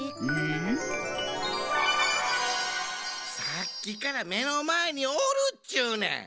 さっきからめのまえにおるっちゅうねん！